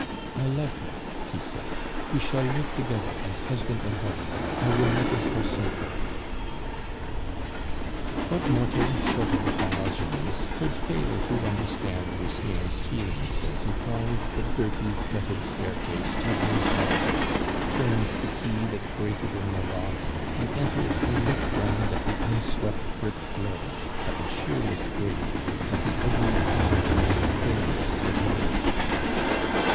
"I love her," he said; "we shall live together as husband and wife; I will never forsake her!" What mortal, short of a Diogenes, could fail to understand Lucien's feelings as he climbed the dirty, fetid staircase to his lodging, turned the key that grated in the lock, and entered and looked round at the unswept brick floor, at the cheerless grate, at the ugly poverty and bareness of the room.